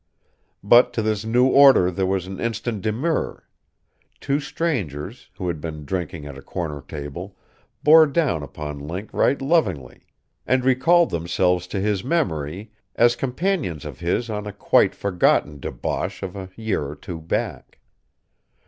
But to this new order there was an instant demurrer. Two strangers, who had been drinking at a corner table, bore down upon Link right lovingly; and recalled themselves to his memory as companions of his on a quite forgotten debauch of a year or two back.